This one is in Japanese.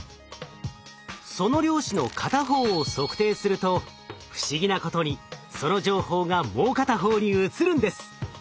その量子の片方を測定すると不思議なことにその情報がもう片方に移るんです。